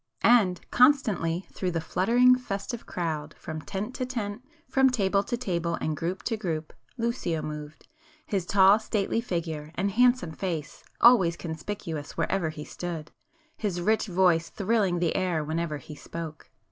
And, constantly through the fluttering festive crowd, from tent to tent, from table to table, and group to group, Lucio moved,—his tall stately figure and handsome face always conspicuous wherever he stood, his rich voice thrilling the air whenever he spoke.